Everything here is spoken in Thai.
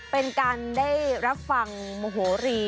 เป็นการได้รับฟังมโหรี